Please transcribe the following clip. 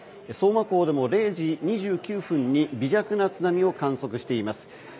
相馬港でも０時２９分に微弱な津波を観測しています。